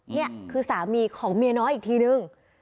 นี่คือสามีของเมียน้อยอีกทีนึง